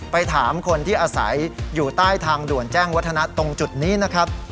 ไปถามคนที่อาศัยอยู่ใต้ทางด่วนแจ้งวัฒนะตรงจุดนี้นะครับ